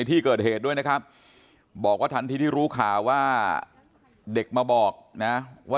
ที่เกิดเหตุด้วยนะครับบอกว่าทันทีที่รู้ข่าวว่าเด็กมาบอกนะว่า